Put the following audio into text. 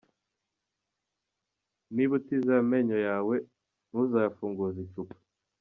Niba utizeye amenyo yawe ntuzayafunguze icupa.